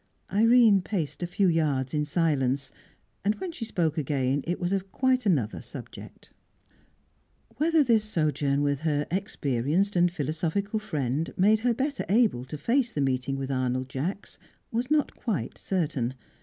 Irene paced a few yards in silence, and when she spoke again it was of quite another subject. Whether this sojourn with her experienced and philosophical friend made her better able to face the meeting with Arnold Jacks was not quite certain.